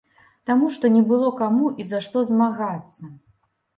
Таму што не было каму і за што змагацца.